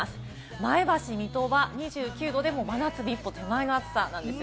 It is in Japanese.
前橋、水戸は２９度でもう真夏日一歩手前の暑さなんです。